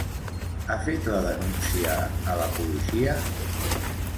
Ha fet la denúncia a la policia?